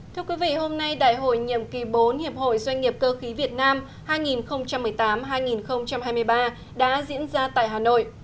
thưa quý vị hôm nay đại hội nhiệm kỳ bốn hiệp hội doanh nghiệp cơ khí việt nam hai nghìn một mươi tám hai nghìn hai mươi ba đã diễn ra tại hà nội